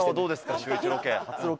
シューイチロケ。